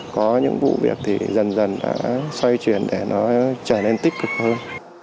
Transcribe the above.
có những vụ việc thì dần dần đã xoay chuyển để nó trở nên tích cực hơn